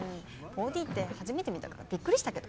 ４Ｄって初めて観たからびっくりしたけど。